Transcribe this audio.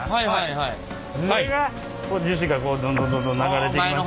それが樹脂がこうどんどんどんどん流れていきます。